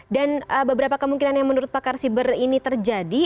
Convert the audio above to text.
dan beberapa kemungkinan yang menurut pakar siber ini terjadi